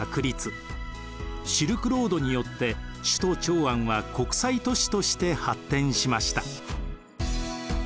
シルクロードによって首都長安は国際都市として発展しました。